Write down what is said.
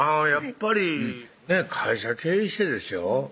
やっぱりね会社経営してですよ